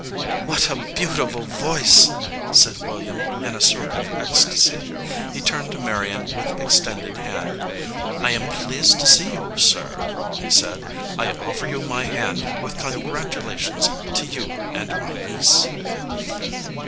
"What a beautiful voice," said William, in a sort of ecstasy. He turned to Marion with ex tended hand. "I am pleased to see you, sir," he said. "I offer you my hand, with congratulations to you and my niece."